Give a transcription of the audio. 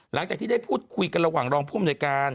หลังจากที่ได้พูดคุยกันระหว่างรองผู้อำนวยการ